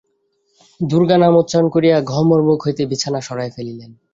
দুর্গানাম উচ্চারণ করিয়া গহ্বরমুখ হইতে বিছানা সরাইয়া ফেলিলেন।